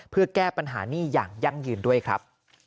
เพื่อแก้ปัญหาหนี้อย่างยั่งยืนด้วยครับ